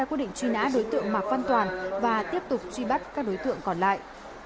hậu quả đã ra quy định truy nã đối tượng mạc văn toản và tiếp tục truy bắt các đối tượng còn lại